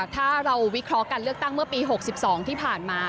ถ้าเราวิเคราะห์การเลือกตั้งเมื่อปี๖๒ที่ผ่านมา